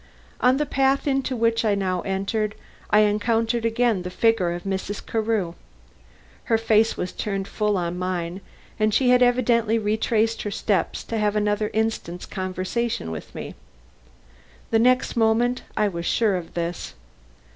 On the path into which I now entered, I encountered again the figure of Mrs. Carew. Her face was turned full on mine, and she had evidently retraced her steps to have another instant's conversation with me. The next moment I was sure of this.